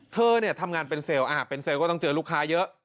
เธอทำงานเป็นเซลล์เป็นเซลล์ก็ต้องเจอลูกค้าเยอะ